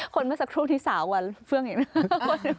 คนมาสักครู่ทีสาวกว่าเฟืองอีกเลย